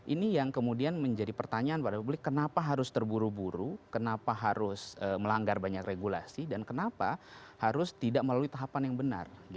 ini yang kemudian menjadi pertanyaan pada publik kenapa harus terburu buru kenapa harus melanggar banyak regulasi dan kenapa harus tidak melalui tahapan yang benar